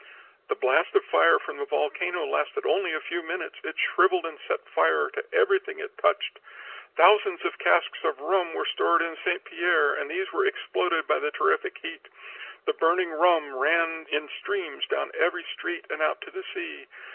"The blast of fire from the volcano lasted only a few minutes. It shriveled and set fire to everything it touched. Thousands of casks of rum were stored in St. Pierre, and these were exploded by the terrific heat. The burning rum ran in streams down every street and out to the sea.